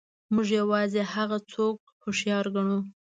موږ یوازې هغه څوک هوښیار ګڼو.